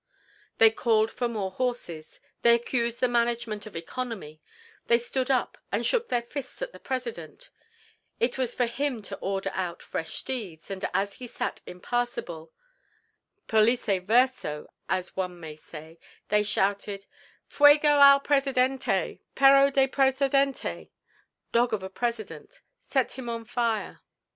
They called for more horses; they accused the management of economy; men stood up and shook their fists at the President; it was for him to order out fresh steeds, and, as he sat impassible, pollice verso, as one may say, they shouted "Fuego al presidente, perro de presidente" dog of a president; set him on fire.